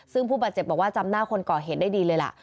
ซึ่งผู้บาดเจ็บบอกว่าจำหน้าคนก่อเหตุได้ดีเลยล่ะ